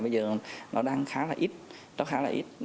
bây giờ nó đang khá là ít nó khá là ít